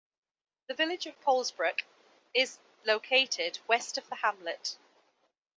The village of Polsbroek is located west of the hamlet.